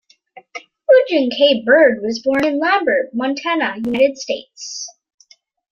Eugene K. Bird was born in Lambert, Montana, United States.